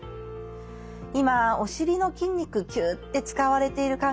今お尻の筋肉キュッて使われている感覚